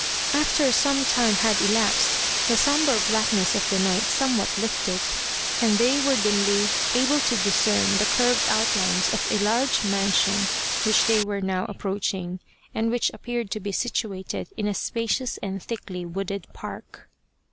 After some time had elapsed the sombre blackness of the night somewhat lifted, and 89 The Spirit of the Lantern they were dimly able to discern the curved outlines of a large mansion which they were now approaching, and which appeared to be situated in a spacious and thickly wooded park.